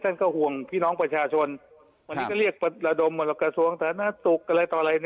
ท่านก็ห่วงพี่น้องประชาชนวันนี้ก็เรียกระดมกระทรวงสาธารณสุขอะไรต่ออะไร